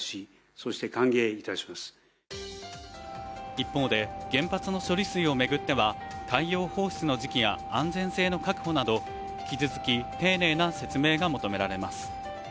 一方で原発の処理水を巡っては海洋進出の時期や安全性の確保など引き続き丁寧な説明が求められます。